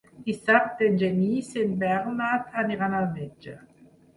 Dissabte en Genís i en Bernat aniran al metge.